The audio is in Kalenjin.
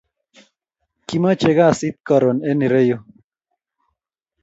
Kimache kasit karun en ironyu